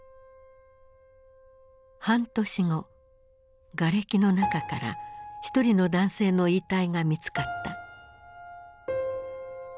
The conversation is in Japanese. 半年後がれきの中から一人の男性の遺体が見つかった。